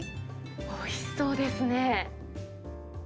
おいしそうですね。